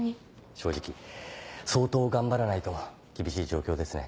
正直相当頑張らないと厳しい状況ですね。